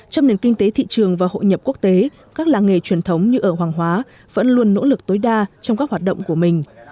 trong nền kinh tế thị trường và hội nhập quốc tế các làng nghề truyền thống như ở hoàng hóa vẫn luôn nỗ lực tối đa trong các hoạt động của mình